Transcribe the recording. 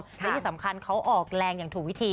และที่สำคัญเขาออกแรงอย่างถูกวิธี